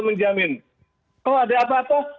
menjamin kalau ada apa apa